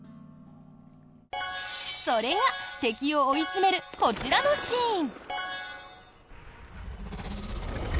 それが敵を追い詰めるこちらのシーン。